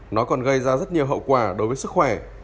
nó còn gây ra rất nhiều hậu quả đối với sức khỏe